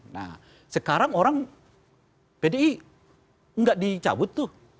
nah sekarang orang pdi nggak dicabut tuh